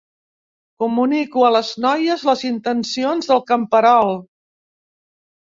Comunico a les noies les intencions del camperol.